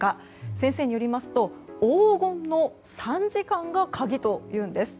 先生によりますと黄金の３時間が鍵というんです。